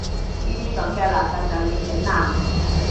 呢啲噉嘅垃圾就要整爛